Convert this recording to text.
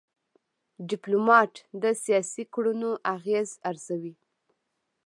ډيپلومات د سیاسي کړنو اغېز ارزوي.